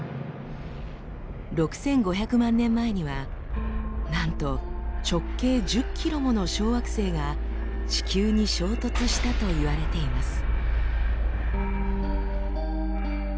６，５００万年前にはなんと直径１０ｋｍもの小惑星が地球に衝突したといわれています。